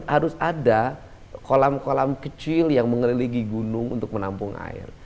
harus ada kolam kolam kecil yang mengelilingi gunung untuk menampung air